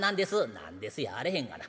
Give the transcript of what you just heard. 「『何です』やあれへんがな。